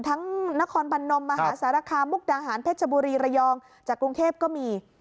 นครพนมมหาสารคามมุกดาหารเพชรบุรีระยองจากกรุงเทพก็มี